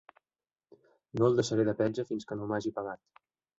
No el deixaré de petja fins que no m'hagi pagat.